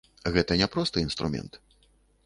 Гэта не проста інструмент.